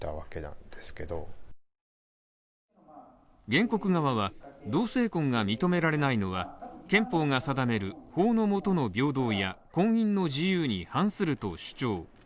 原告側は同性婚が認められないのは憲法が定める法のもとの平等や婚姻の自由に反すると主張。